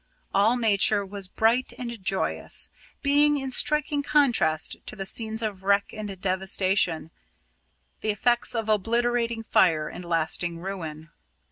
All nature was bright and joyous, being in striking contrast to the scenes of wreck and devastation, the effects of obliterating fire and lasting ruin.